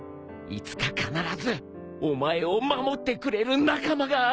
いつか必ずお前を守ってくれる仲間が現れる